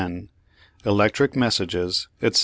ELECTRIC MESSAGES, ETC.